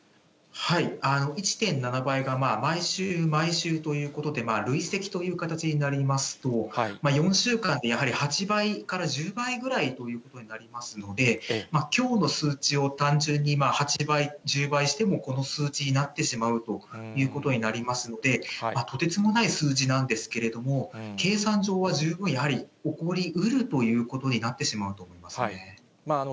１．７倍が毎週毎週ということで、累積という形になりますと、４週間でやはり８倍から１０倍ぐらいということになりますので、きょうの数値を単純に８倍、１０倍しても、この数値になってしまうということになりますので、とてつもない数字なんですけれども、計算上は十分やはり起こりうるということになってしまうと思いますね。